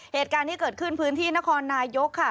เหตุการณ์ที่เกิดขึ้นพื้นที่นครนายกค่ะ